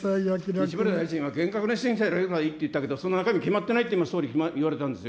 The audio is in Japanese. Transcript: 西村大臣は厳格な審査があればいいって言ったけど、その中身決まってないって総理言われたんですよ。